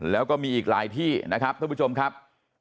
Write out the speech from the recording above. แล้วก็มีอีกหลายที่นะครับท่านผู้ชมครับ